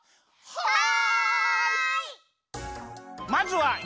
はい！